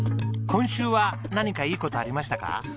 今週は何かいい事ありましたか？